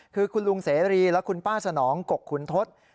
คือคุณลุงเสรีและคุณป้าสนองกกขุนทศ